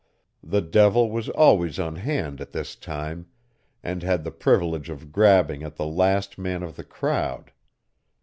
The devil was always on hand at this time, and had the privilege of grabbing at the last man of the crowd.